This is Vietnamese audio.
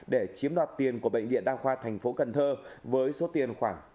để chiếm đoạt tiền của bệnh viện đao khoa thành phố cần thơ với số tiền khoảng tám trăm linh triệu đồng